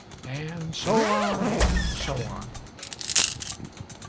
And so on, and so on.